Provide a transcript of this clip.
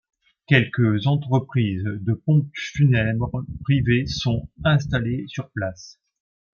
Quelques entreprises de pompes funèbres privées sont installées sur place.